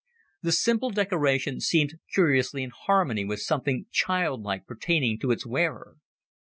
The simple decoration seemed curiously in harmony with something childlike pertaining to its wearer.